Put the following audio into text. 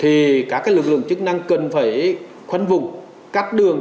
thì các lực lượng chức năng cần phải khoanh vùng cắt đường